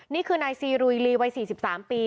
นี่คือนายซีรุยลีวัย๔๓ปี